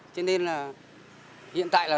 cho nên là hiện tại là